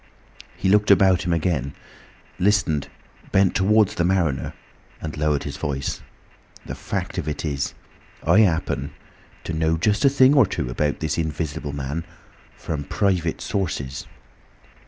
He looked about him again, listened, bent towards the mariner, and lowered his voice: "The fact of it is—I happen—to know just a thing or two about this Invisible Man. From private sources."